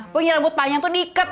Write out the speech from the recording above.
punya rambut panjang tuh niket